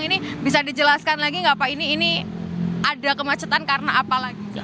ini bisa dijelaskan lagi nggak pak ini ada kemacetan karena apa lagi